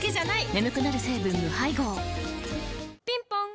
眠くなる成分無配合ぴんぽん